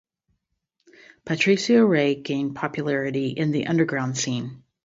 Patricio Rey gained popularity in the underground scene.